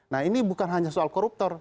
nah ini bukan hanya soal koruptor